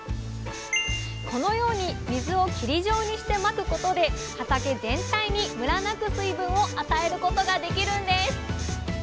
このように水を霧状にしてまくことで畑全体にムラなく水分を与えることができるんです。